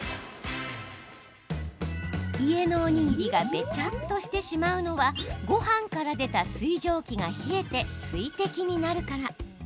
家のおにぎりがべちゃっとしてしまうのはごはんから出た水蒸気が冷えて水滴になるから。